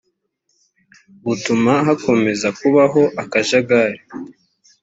butuma hakomeza kubaho akajagari